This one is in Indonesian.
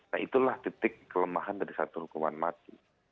nah itulah titik kelemahan dari satu hukuman mati